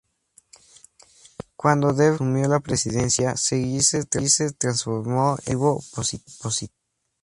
Cuando Derqui asumió la presidencia, Seguí se transformó en un activo opositor.